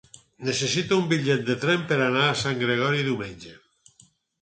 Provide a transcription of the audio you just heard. Necessito un bitllet de tren per anar a Sant Gregori diumenge.